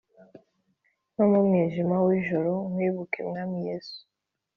No mu mwijima w'ijoro, Nkwibuke, Mwami Yesu.